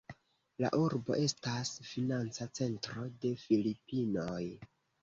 La urbo estas financa centro de Filipinoj.